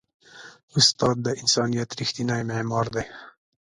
استاد د انسانیت ریښتینی معمار دی.